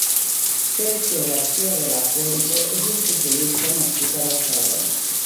Sergio García de la Fuente és un futbolista nascut a Barcelona.